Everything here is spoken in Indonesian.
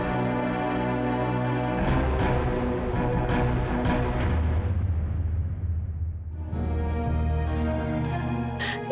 semoga saja tidak ada cedera yang serius